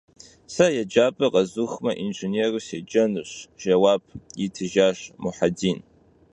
Se yêcap'er khezuxme, yinjjênêru sêcenuş, - jjeuap yitıjjaş Muhedin.